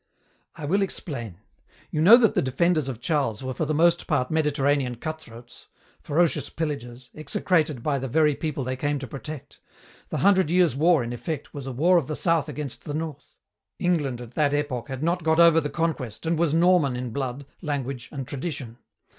"I will explain. You know that the defenders of Charles were for the most part Mediterranean cut throats, ferocious pillagers, execrated by the very people they came to protect. The Hundred Years' War, in effect, was a war of the South against the North. England at that epoch had not got over the Conquest and was Norman in blood, language, and tradition.